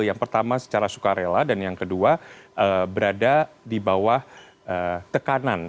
yang pertama secara sukarela dan yang kedua berada di bawah tekanan